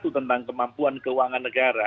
tentang kemampuan keuangan negara